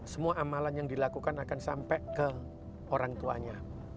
semua amalan yang dilakukan akan sampai ke orang tuanya